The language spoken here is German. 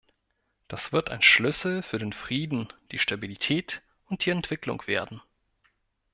Das wird ein Schlüssel für den Frieden, die Stabilität und die Entwicklung werden.